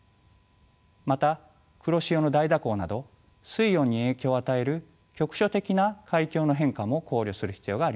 また黒潮の大蛇行など水温に影響を与える局所的な海況の変化も考慮する必要があります。